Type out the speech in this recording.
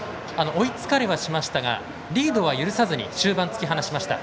追いつかれはしましたがリードは許さずに終盤、突き放しました。